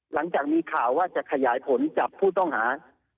หลังจากมีข่าวว่าจะขยายผลจับผู้ต้องหา